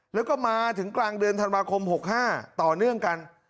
แล้วก็มาถึงกลางเดือนธันวาคม๖๕ต่อเนื่องกัน